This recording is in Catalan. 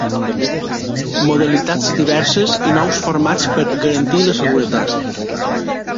Modalitats diverses i nous formats per garantir la seguretat.